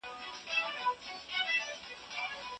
نارینه باید د عبادت لپاره وخت ځانګړی کړي.